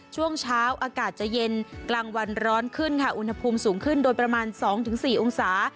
ช่วงเช้าอากาศจะเย็นกลางวันร้อนขึ้นค่ะอุณหภูมิสูงขึ้นโดยประมาณ๒๔องศา